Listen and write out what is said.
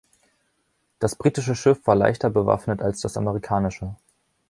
Das britische Schiff war leichter bewaffnet als das amerikanische.